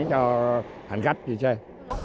không hướng dẫn cho hành khách đi chơi